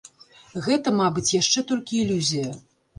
Гэта, мабыць, яшчэ толькі ілюзія.